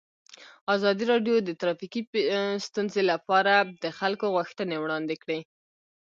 ازادي راډیو د ټرافیکي ستونزې لپاره د خلکو غوښتنې وړاندې کړي.